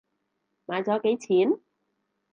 買咗幾錢？